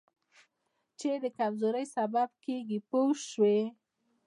چې د کمزورۍ سبب کېږي پوه شوې!.